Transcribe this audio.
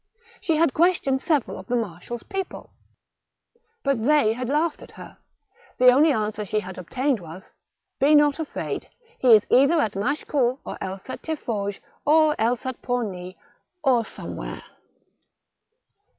She had ques tioned several of the marshal's people, but they had laughed at her ; the only answer she had obtained was :'^ Be not afraid. He is either at Machecoul, or else at Tiffauges, or else at Pomic, or somewhere."